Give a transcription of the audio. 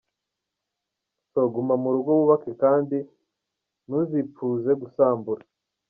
So, guma murugo wubake kandi ntuzipfuze gusambura.